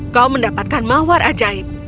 kau mendapatkan mawar ajaib